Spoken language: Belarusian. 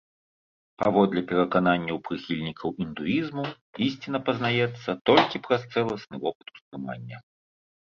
Паводле перакананняў прыхільнікаў індуізму, ісціна пазнаецца толькі праз цэласны вопыт ўспрымання.